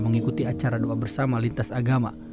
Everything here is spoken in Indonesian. mengikuti acara doa bersama lintas agama